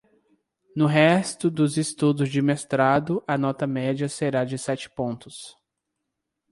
No resto dos estudos de mestrado, a nota média será de sete pontos.